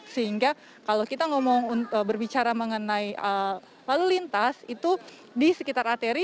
sehingga kalau kita berbicara mengenai lalu lintas itu di sekitar arteri